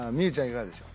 いかがでしょう